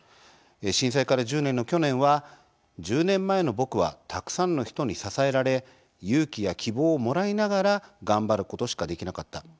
震災から１０年の去年は１０年前の僕はたくさんの人に支えられ勇気や希望をもらいながら頑張ることしかできなかった。